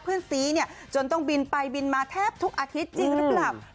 เพื่อนซีเนี่ยจนต้องบินไปบินมาแทบทุกอาทิตย์จริงหรือเปล่า